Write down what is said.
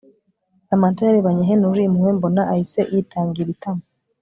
Samantha yarebanye Henry impuhwe mbona ahise yitangiritama